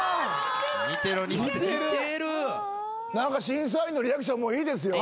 審査員のリアクションもいいですよ。